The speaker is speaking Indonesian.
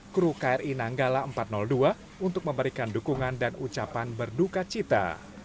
kru kri nanggala empat ratus dua untuk memberikan dukungan dan ucapan berduka cita